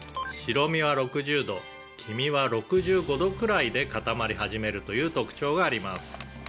「白身は６０度黄身は６５度くらいで固まり始めるという特徴があります」